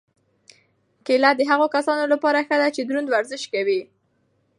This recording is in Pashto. کیله د هغو کسانو لپاره ښه ده چې دروند ورزش کوي.